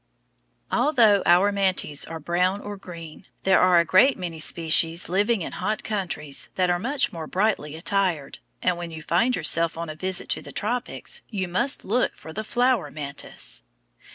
Although our mantes are brown or green, there are a great many species living in hot countries that are much more brightly attired; and when you find yourself on a visit to the tropics, you must look for the flower mantis.